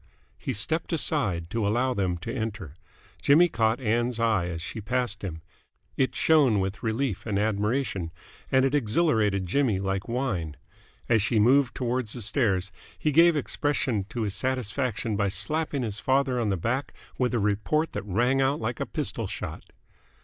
He stepped aside to allow them to enter. Jimmy caught Ann's eye as she passed him. It shone with relief and admiration, and it exhilarated Jimmy like wine. As she moved towards the stairs, he gave expression to his satisfaction by slapping his father on the back with a report that rang out like a pistol shot.